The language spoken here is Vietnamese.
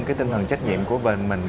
cái tinh thần trách nhiệm của mình